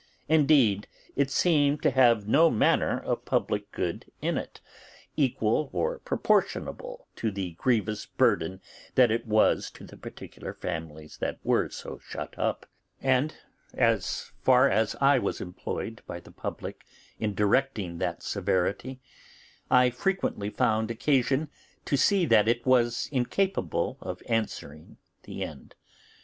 Indeed it seemed to have no manner of public good in it, equal or proportionable to the grievous burden that it was to the particular families that were so shut up; and, as far as I was employed by the public in directing that severity, I frequently found occasion to see that it was incapable of answering the end.